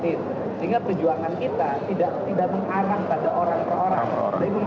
sehingga perjuangan kita tidak mengarah pada orang per orang